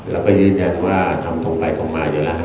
แล้วก็ยืนยันว่าทำตรงไปตรงมาอยู่แล้ว